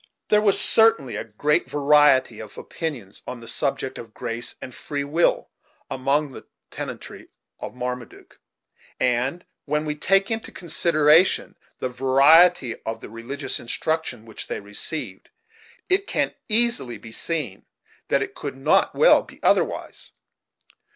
There was certainly a great variety of opinions on the subject of grace and free will among the tenantry of Marmaduke; and, when we take into consideration the variety of the religious instruction which they received, it can easily be seen that it could not well be otherwise.